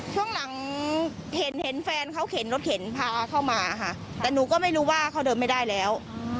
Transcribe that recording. ช่วงหลังเห็นแฟนเขาเข็นรถเข็นพาเข้ามาค่ะแต่หนูก็ไม่รู้ว่าเขาเดินไม่ได้แล้ว